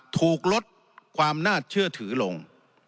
ถูกลดความน่าเชื่อถือลง